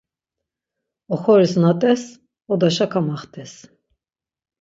Oxoris na-t̆es, odaşa kamaxt̆es.